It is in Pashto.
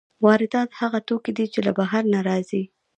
واردات هغه توکي دي چې له بهر نه راځي.